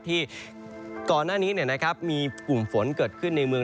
ที่ก่อนหน้านี้มีกลุ่มฝนเกิดขึ้นในเมือง